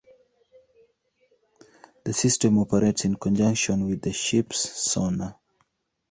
The system operates in conjunction with the ship's sonar.